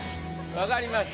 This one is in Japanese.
分かりました。